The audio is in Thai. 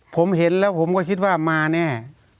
ผมเห็นแล้วผมก็คิดว่ามาแน่